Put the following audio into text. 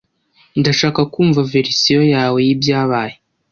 Ndashaka kumva verisiyo yawe y'ibyabaye.